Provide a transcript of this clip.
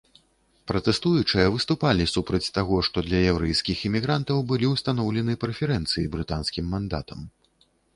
Пратэстуючыя выступалі супраць таго, што для яўрэйскіх імігрантаў былі ўстаноўлены прэферэнцыі брытанскім мандатам.